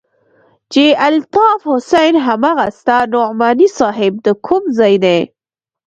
چې الطاف حسين هماغه ستا نعماني صاحب د کوم ځاى دى.